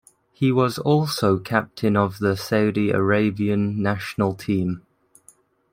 He was also captain of the Saudi Arabian national team.